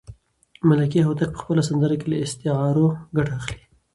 ملکیار هوتک په خپله سندره کې له استعارو ګټه اخلي.